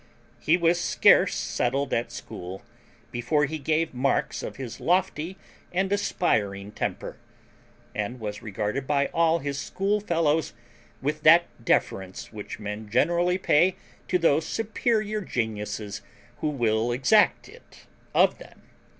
He was scarce settled at school before he gave marks of his lofty and aspiring temper; and was regarded by all his schoolfellows with that deference which men generally pay to those superior geniuses who will exact it of them.